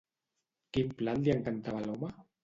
Quin plat li encantava a l'home?